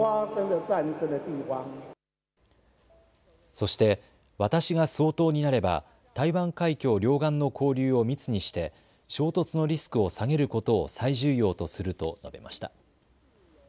そして私が総統になれば台湾海峡両岸の交流を密にして衝突のリスクを下げることを最重要とすると述べました。